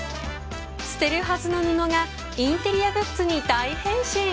捨てるはずの布がインテリアグッズに大変身！